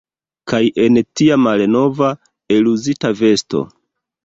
Kaj en tia malnova, eluzita vesto!